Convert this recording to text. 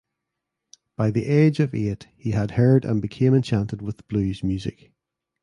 By the age of eight he had heard and became enchanted with blues music.